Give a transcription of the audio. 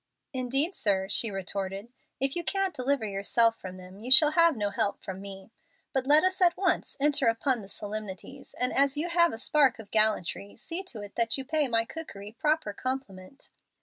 '" "Indeed, sir," she retorted, "if you can't deliver yourself from them you shall have no help from me. But let us at once enter upon the solemnities, and as you have a spark of gallantry, see to it that you pay my cookery proper compliment."